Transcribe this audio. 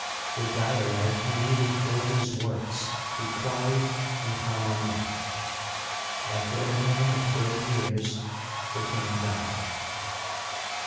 The diorite he needed for these works he quar ried in Hammamit. After a reign of thirty years the king died.